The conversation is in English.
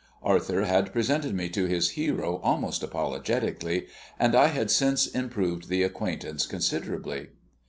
Arthur had presented me to his hero almost apologetically, and I had since improved the acquaintance considerably.